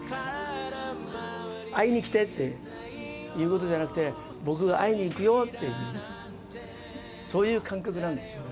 会いに来てっていうことじゃなくて、僕が会いに行くよっていう、そういう感覚なんですよね。